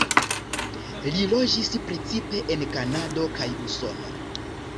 Li loĝis precipe en Kanado kaj Usono.